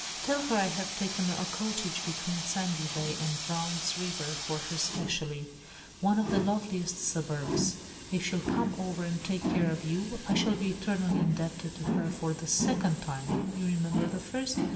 "Tell her I have taken a cottage between Sandy Bay and Brown's River for her specially; one of the loveliest suburbs. If she'll come over and take care of you, I shall be eternally indebted to her for the second time. You remember the first?